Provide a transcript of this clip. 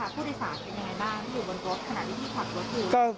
อยู่บนรถขณะที่มีขวัดรถอื่น